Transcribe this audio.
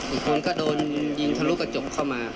อีกคนก็โดนยิงทะลุกระจกเข้ามา